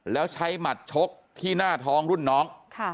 แล้วใช้หมัดชกที่หน้าท้องรุ่นน้อง